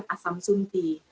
dan asam sunti